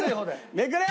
めくれ！